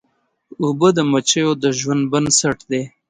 اوبه د مچیو د ژوند بنسټ دي.